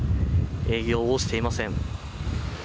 営業をしていません。